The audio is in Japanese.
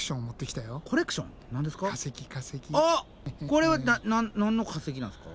これは何の化石なんすか？